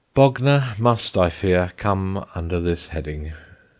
Bognor must, I fear, come under this heading.